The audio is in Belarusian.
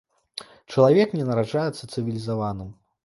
Чалавек не нараджаецца цывілізаваным.